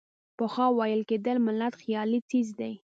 پخوا ویل کېدل ملت خیالي څیز دی.